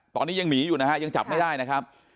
ตอนนี้ยังหนีอยู่นะฮะยังจับไม่ได้นะครับ